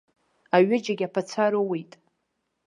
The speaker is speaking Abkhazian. Аҩыџьагь аԥацәа роуит.